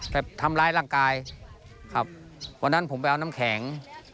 ไปทำร้ายร่างกายครับวันนั้นผมไปเอาน้ำแข็ง